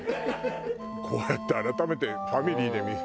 こうやって改めてファミリーで見ると。